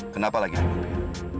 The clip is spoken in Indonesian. kenapa lagi di mobil